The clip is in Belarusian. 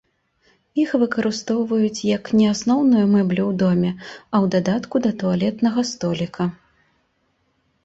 Іх выкарыстоўваюць як не асноўную мэблю ў доме, а ў дадатку да туалетнага століка.